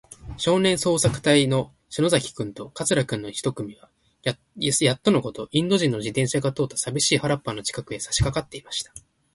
少年捜索隊そうさくたいの篠崎君と桂君の一組は、やっとのこと、インド人の自動車が通ったさびしい広っぱの近くへ、さしかかっていました。